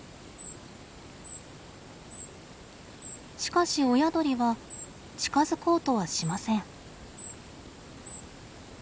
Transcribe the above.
しかし親鳥は近づこうとはしません。